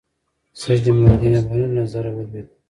سید جمال الدین افغاني له نظره ولوېد.